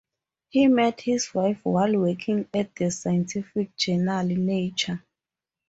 He met his wife while working at the scientific journal, "Nature".